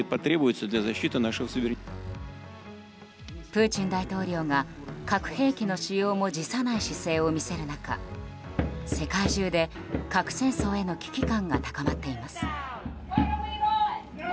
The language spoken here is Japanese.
プーチン大統領が核兵器の使用も辞さない姿勢を見せる中世界中で核戦争への危機感が高まっています。